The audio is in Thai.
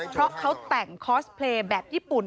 เพราะเขาแต่งคอสเพลย์แบบญี่ปุ่น